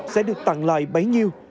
sẽ được tặng lại bấy nhiêu